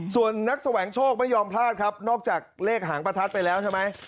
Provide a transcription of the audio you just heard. ส่วนนักแสวงโชคไม่ยอมพลาดครับนอกจากเลขหางประทัดไปแล้วใช่ไหม